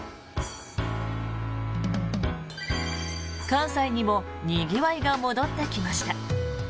関西にもにぎわいが戻ってきました。